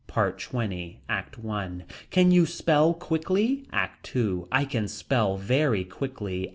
PART XX. ACT I. Can you spell quickly. ACT II. I can spell very quickly.